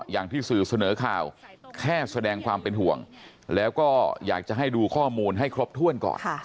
อย่างที่สื่อเสนอข่าวแค่แสดงความเป็นห่วงแล้วก็อยากจะให้ดูข้อมูลให้ครบถ้วนก่อน